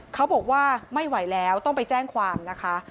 เขาบอกว่าไม่ไหวแล้วต้องไปแจ้งความนะคะ